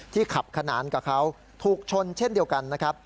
ขับขนานกับเขาถูกชนเช่นเดียวกันนะครับ